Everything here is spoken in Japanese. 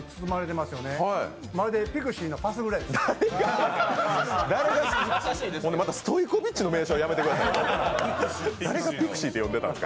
まるでピクシーのパスぐらいです。